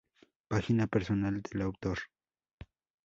Página personal del autor.